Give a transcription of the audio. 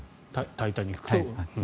「タイタニック」と。